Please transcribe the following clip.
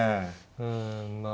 うんまあ。